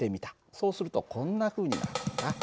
そうするとこんなふうになるんだ。